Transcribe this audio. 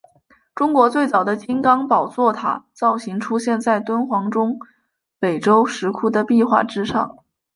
中国最早的金刚宝座塔造型出现在敦煌中北周石窟的壁画之上。